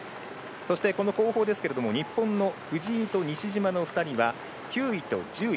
そしてこの後方ですけども日本の藤井と西島の２人は９位と１０位。